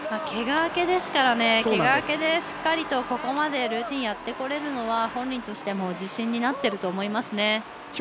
けが明けですからそれでしっかりここまでルーティンやってこれるのは本人としても自信になってると思いますね。